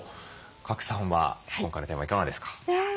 賀来さんは今回のテーマいかがですか？